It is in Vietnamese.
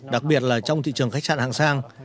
đặc biệt là trong thị trường khách sạn hàng sang